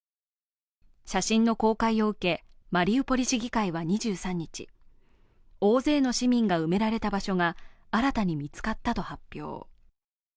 写真の公開を受け、マリウポリ市議会は２３日、大勢の市民が埋められた場所が新たに見つかったと発表。